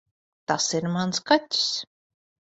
Tas ir mans kaķis.